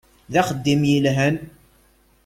D axeddim yelhan.